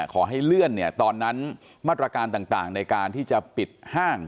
ขอให้เลื่อนเนี่ยตอนนั้นมาตรการต่างในการที่จะปิดห้าง